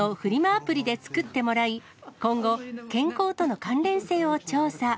アプリで作ってもらい、今後、健康との関連性を調査。